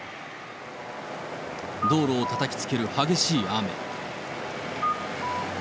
道路をたたきつける激しい雨。